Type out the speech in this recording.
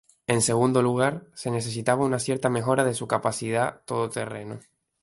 En segundo lugar, se necesitaba una cierta mejora de su capacidad todo terreno.